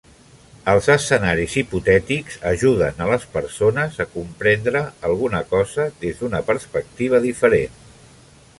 Els escenaris hipotètics ajuden a les persones a comprendre alguna cosa des d'una perspectiva diferent.